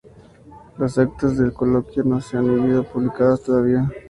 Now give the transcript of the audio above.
Las actas del coloquio no se han sido publicadas todavía.